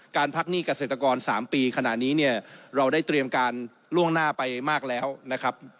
พักหนี้เกษตรกร๓ปีขณะนี้เนี่ยเราได้เตรียมการล่วงหน้าไปมากแล้วนะครับ